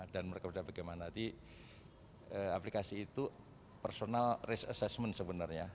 dan mereka berpikir bagaimana nanti aplikasi itu personal risk assessment sebenarnya